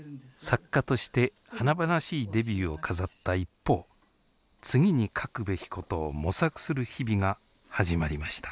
作家として華々しいデビューを飾った一方次に書くべきことを模索する日々が始まりました。